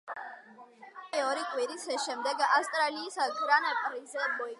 მეორე გამარჯვება კი ორი კვირის შემდეგ, ავსტრალიის გრან-პრიზე მოიპოვა.